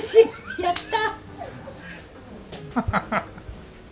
やった。